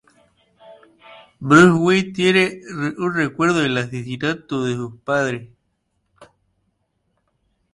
Bruce Wayne tiene un recuerdo del asesinato de sus padres.